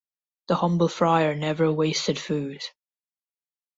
The humble friar never wasted food.